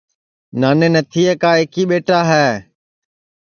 نانے نتھیے کا ایکی ٻیٹا ہے